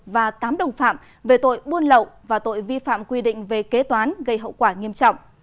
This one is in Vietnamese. và tám đồng phạm về tội buôn lậu và tội vi phạm quy định về kế toán gây hậu quả nghiêm trọng